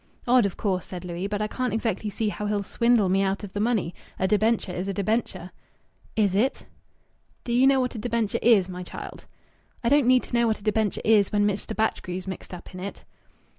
"Odd, of course!" said Louis. "But I can't exactly see how he'll swindle me out of the money! A debenture is a debenture." "Is it?" "Do you know what a debenture is, my child?" "I don't need to know what a debenture is, when Mr. Batchgrew's mixed up in it."